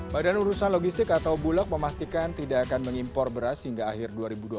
badan urusan logistik atau bulog memastikan tidak akan mengimpor beras hingga akhir dua ribu dua puluh